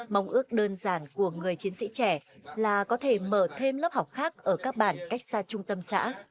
mong ước đơn giản của người chiến sĩ trẻ là có thể mở thêm lớp học khác ở các bản cách xa trung tâm xã